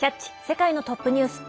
世界のトップニュース」。